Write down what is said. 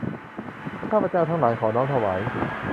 ข้าพเจ้าทั้งหลาย ขอน้อมถวาย